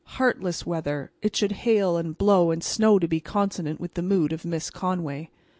Heartless weather! It should hail and blow and snow to be consonant with the mood of Miss Conway.